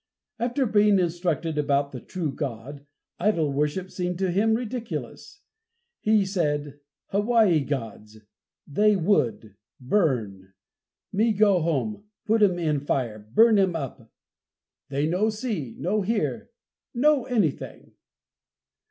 After being instructed about the true God, idol worship seemed to him ridiculous. He said, "Hawaii gods! They wood, burn. Me go home, put 'em in a fire, burn 'em up. They no see, no hear, no anything."